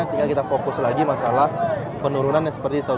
tinggal kita fokus lagi masalah penurunan yang seperti tahun dua ribu